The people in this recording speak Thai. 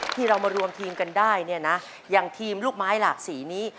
ที่เรามารวมทีมกันได้เนี่ยนะอย่างทีมลูกไม้หลากสีนี้